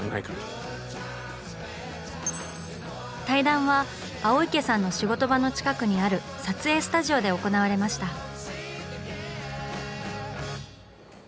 対談は青池さんの仕事場の近くにある撮影スタジオで行われました。